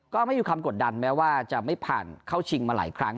ก็ไม่มีความกดดันแม้ว่าจะไม่ผ่านเข้าชิงมาหลายครั้ง